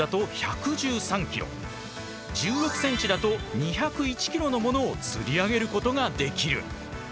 １６センチだと２０１キロのものをつり上げることができる。